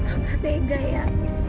aku gak tega ya